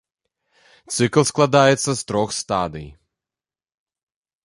Цыкл складаецца з трох стадый.